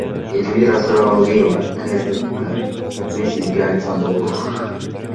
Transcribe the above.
Элвира Сурабалдиева, КСДП Мен сизге айтсам болобу?